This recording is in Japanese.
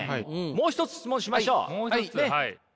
もう一つ質問しましょう。